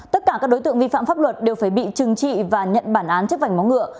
tất cả các đối tượng vi phạm pháp luật đều phải bị trừng trị và nhận bản án chấp vành máu ngựa